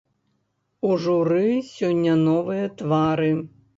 У журы сёння новыя твары.